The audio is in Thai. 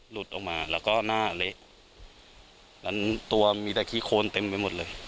หลุดออกมาแล้วก็หน้าเละนั้นตัวมีแต่ขี้โคนเต็มไปหมดเลย